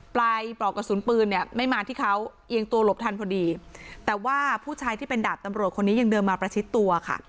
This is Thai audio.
ปลอกกระสุนปืนเนี่ยไม่มาที่เขาเอียงตัวหลบทันพอดีแต่ว่าผู้ชายที่เป็นดาบตำรวจคนนี้ยังเดินมาประชิดตัวค่ะ